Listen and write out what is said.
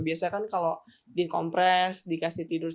biasanya kan kalau dikompres dikasih tidur